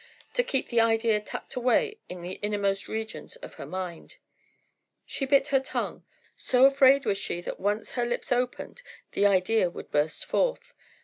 To keep the idea tucked away in the innermost regions of her mind, she bit her tongue, so afraid was she that once her lips opened the idea would burst forth.